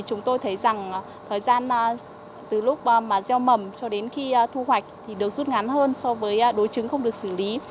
chúng tôi thấy rằng thời gian từ lúc mà gieo mầm cho đến khi thu hoạch thì được rút ngắn hơn so với đối chứng không được xử lý